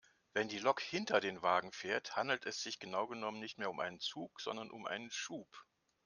Wenn die Lok hinter den Waggons fährt, handelt es sich genau genommen nicht mehr um einen Zug sondern um einen Schub.